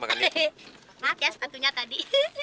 makan ya satunya tadi